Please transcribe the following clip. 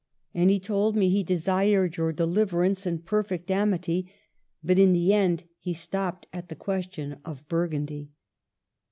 lOI and he told me he desired your deliverance in perfect amity ; but, in the end, he stopped at the question of Burgundy."